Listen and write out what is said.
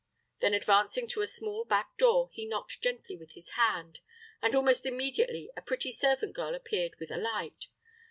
Then advancing to a small back door, he knocked gently with his hand, and almost immediately a pretty servant girl appeared with a light.